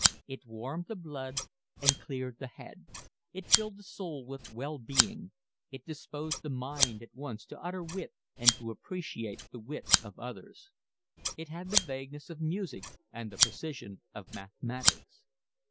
It warmed the blood and cleared the head; it filled the soul with well being; it disposed the mind at once to utter wit and to appreciate the wit of others; it had the vagueness of music and the precision of mathematics.